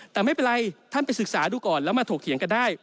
แต่ไม่เป็นไรท่านไปศึกษาดูก่อนแล้วมาถกเถียงกันได้